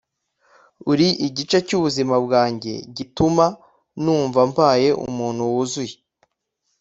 uri igice cy’ubuzima bwanjye gituma numva mbaye umuntu wuzuye